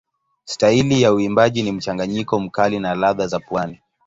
Staili ya uimbaji ni mchanganyiko mkali na ladha za pwani.